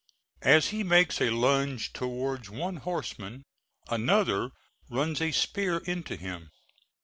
As he makes a lunge towards one horseman, another runs a spear into him.